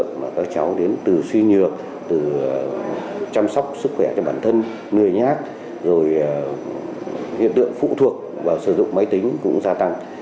các cháu đến từ suy nhược từ chăm sóc sức khỏe cho bản thân người nhát rồi hiện tượng phụ thuộc vào sử dụng máy tính cũng gia tăng